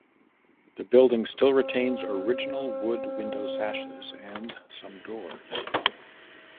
The building still retains original wood window sashes and some doors.